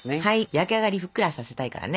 焼き上がりふっくらさせたいからね。